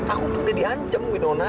aku tuh udah di ancem buinono